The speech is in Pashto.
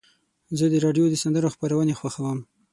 زه د راډیو د سندرو خپرونې خوښوم.